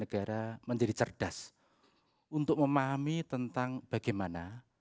negara menjadi cerdas untuk memahami tentang bagaimana